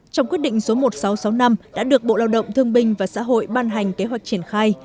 trong quyết định số một nghìn sáu trăm sáu mươi năm đã được bộ lao động thương binh và xã hội ban hành kế hoạch triển khai